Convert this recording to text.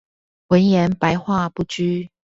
文言、白話不拘